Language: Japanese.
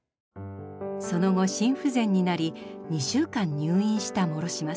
その後心不全になり２週間入院した諸島さん。